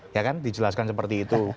ya kan dijelaskan seperti itu